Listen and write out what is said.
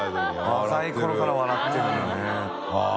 若い頃から笑ってるんだね△